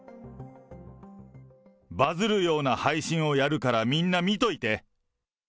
バズるような配信をやるからみんな見といて。